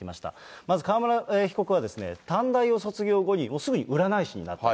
まず川村被告は、短大を卒業後に、すぐに占い師になったと。